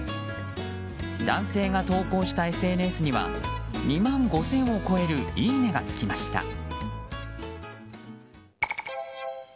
男性が投稿したＳＮＳには２万５０００を超えるいいね！がつきました。